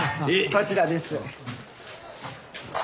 こちらです。